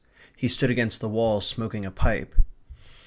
He stood against the wall smoking a pipe.